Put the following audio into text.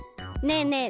ねえねえ